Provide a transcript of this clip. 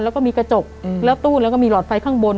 แล้วก็มีกระจกแล้วตู้แล้วก็มีหลอดไฟข้างบน